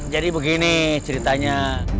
jadi begini ceritanya